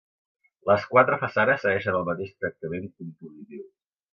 Les quatre façanes segueixen el mateix tractament compositiu.